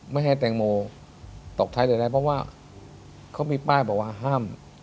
ไม่ให้แตงโมตกท้ายใดเพราะว่าเขามีป้ายบอกว่าห้าม